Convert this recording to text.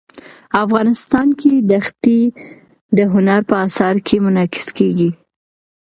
افغانستان کې دښتې د هنر په اثار کې منعکس کېږي.